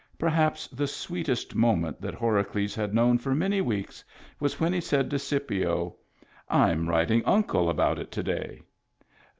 Perhaps the sweetest moment that Horacles had known for many weeks was when he said to Scipio :—I'm writing Uncle about it to day."